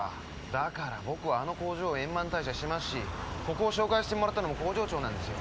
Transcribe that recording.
だから僕はあの工場を円満退社してますしここを紹介してもらったのも工場長なんですよ。